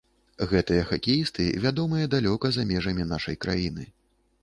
Гэтыя хакеісты вядомыя далёка за межамі нашай краіны.